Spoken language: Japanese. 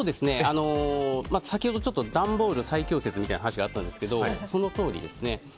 先ほど段ボール最強説みたいな話があったんですがそのとおりですね。